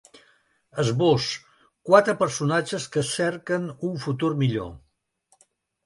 Esbós: Quatre personatges que cerquen un futur millor.